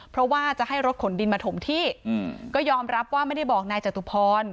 เพราะว่าจะให้รถขนดินมาถมที่ก็ยอมรับว่าไม่ได้บอกนายจตุพร